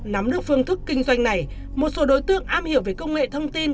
nắm được phương thức kinh doanh này một số đối tượng am hiểu về công nghệ thông tin